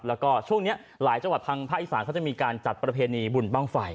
แล้วก็ช่วงนี้หลายจังหวัดทางภาคอีสานเขาจะมีการจัดประเพณีบุญบ้างไฟ